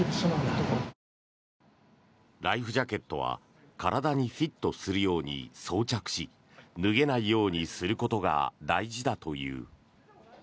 ライフジャケットは体にフィットするように装着し脱げないようにすることが大事だという。